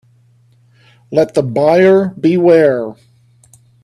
Let the buyer beware.